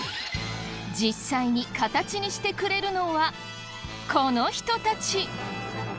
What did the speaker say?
実際に形にしてくれるのはこの人たち！